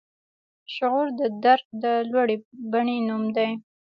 شعور د درک د لوړې بڼې نوم دی.